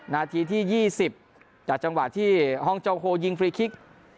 นาทีที่๒๐จากจังหวะที่ห้องจองโฮยิงฟรีคิก